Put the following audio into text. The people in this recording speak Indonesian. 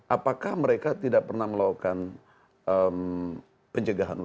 apakah mereka tidak pernah melakukan pencegahan